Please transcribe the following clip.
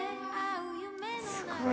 すごい。